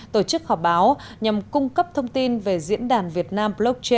tổ chức họp báo nhằm cung cấp thông tin về diễn đàn việt nam blockchain summit hai nghìn một mươi tám